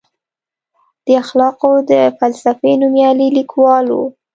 د اخلاقو د فلسفې نوميالی لیکوال و.